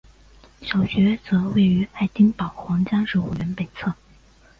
小学则位于爱丁堡皇家植物园北侧。